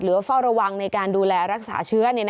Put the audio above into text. เฝ้าระวังในการดูแลรักษาเชื้อ